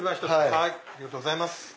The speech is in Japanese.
ありがとうございます。